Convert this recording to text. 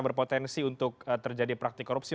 berpotensi untuk terjadi praktik korupsi